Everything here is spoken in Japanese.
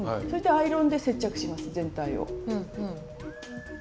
そしてアイロンで接着します全体を。